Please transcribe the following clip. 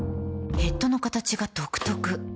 ヘッドの形が独特